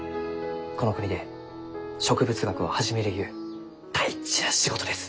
この国で植物学を始めるゆう大事な仕事です。